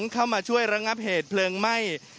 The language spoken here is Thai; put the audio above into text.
เข้ามาช่วยระงับเหตุเพลิงไหม้